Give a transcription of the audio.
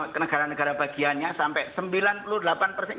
kenegara negara bagiannya sampai sembilan puluh delapan persen